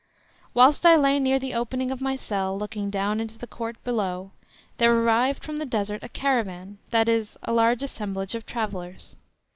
Whilst I lay near the opening of my cell looking down into the court below, there arrived from the Desert a caravan, that is, a large assemblage of travellers.